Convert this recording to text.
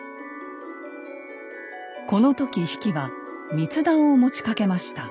この時比企は密談を持ちかけました。